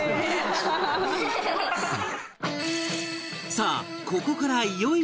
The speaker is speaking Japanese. さあここからいよいよ授業